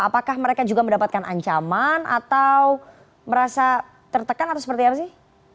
apakah mereka juga mendapatkan ancaman atau merasa tertekan atau seperti apa sih